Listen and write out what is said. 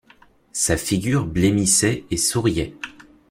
Sa figure blêmissait et souriait.